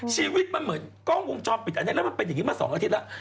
ชีวิตมันเหมือนกล้องวงจรปิดอันนี้แล้วมันเป็นอย่างนี้มา๒อาทิตย์แล้ว